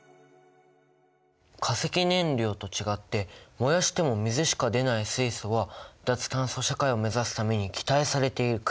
化石燃料と違って燃やしても水しか出ない水素は脱炭素社会を目指すために期待されているクリーンなエネルギーなんだね。